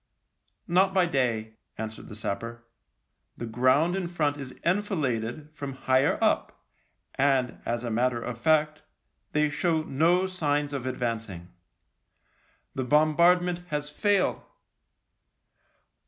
" Not by day," answered the sapper. " The ground in front is enfiladed from higher up, and, as a matter of fact, they show no signs of advancing. The bombardment has failed."